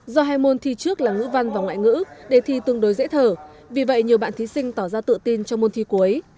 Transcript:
do hai môn thi trước là ngữ văn và ngoại ngữ đề thi tương đối dễ thở vì vậy nhiều bạn thí sinh tỏ ra tự tin cho môn thi cuối